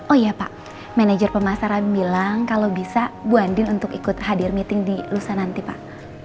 oh iya pak manager pemasaran bilang kalau bisa bu andin untuk ikut hadir meeting di lusa nanti pak